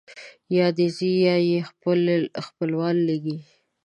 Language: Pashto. یا دی ځي یا یې خپل خپلوان لېږي.